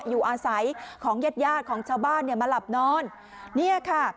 อยู่อาศัยของญาติญาติของชาวบ้านเนี่ยมาหลับนอนเนี่ยค่ะ